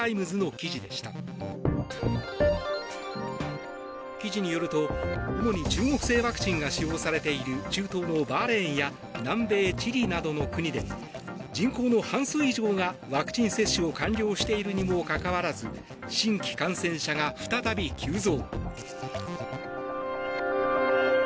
記事によると、主に中国製ワクチンが使用されている中東のバーレーンや南米チリなどの国で人口の半数以上がワクチン接種を完了しているにもかかわらず新規感染者が再び急増。